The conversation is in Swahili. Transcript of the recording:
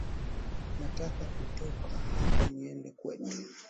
Nataka kutoka hapa niende kwetu